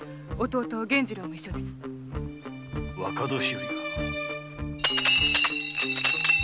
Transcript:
若年寄が？